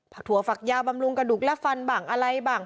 ถั่วฝักยาวบำรุงกระดูกและฟันบ้างอะไรบ้าง